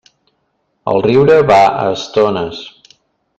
El riure va a estones.